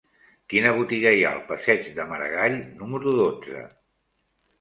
Quina botiga hi ha al passeig de Maragall número dotze?